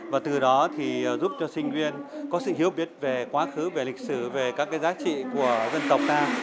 và từ đó giúp cho sinh viên có sự hiếu biết về quá khứ về lịch sử về các giá trị của dân tộc ta